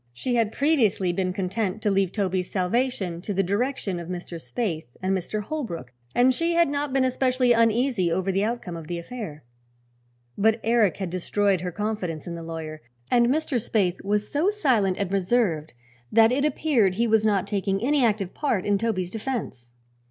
She had previously been content to leave Toby's salvation to the direction of Mr. Spaythe and Mr. Holbrook and she had not been especially uneasy over the outcome of the affair. But Eric had destroyed her confidence in the lawyer, and Mr. Spaythe was so silent and reserved that it appeared he was not taking any active part in Toby's defense.